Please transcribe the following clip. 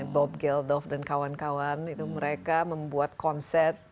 bob geldof dan kawan kawan itu mereka membuat konser